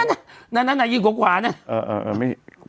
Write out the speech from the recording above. นั่นนั่นนั่นนั่นนั่นนั่นนั่นนั่นนั่นนั่นนั่นนั่นนั่นนั่น